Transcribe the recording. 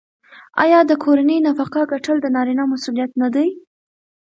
آیا د کورنۍ نفقه ګټل د نارینه مسوولیت نه دی؟